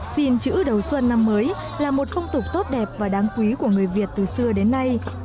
xin chữ đầu xuân năm mới là một phong tục tốt đẹp và đáng quý của người việt từ xưa đến nay